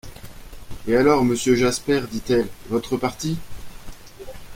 Et alors, monsieur Jasper, dit-elle, votre parti ?…